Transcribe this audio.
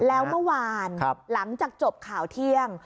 แล้วเมื่อวานหลังจากจบข่าวเที่ยง